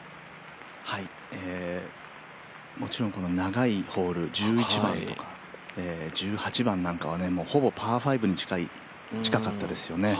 もちろん長いホール１１番とか１８番なんかはほぼパー５に近かったですよね。